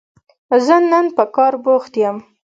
زه نن په کار بوخت يم